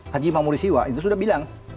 haji mamurisiwa itu sudah bilang